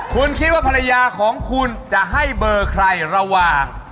คุณคิดว่าภรรยาของคุณจะให้เบอร์ใครระหว่าง